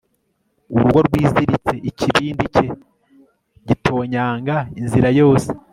Urugo rwiziritse ikibindi cye gitonyanga inzira yose